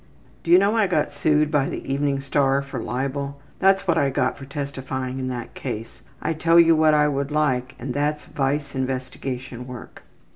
``Do you know I got sued by the Evening Star for libbel. That's what I got for testifying in that case. I tell you what I would like and that's vice investigation work.''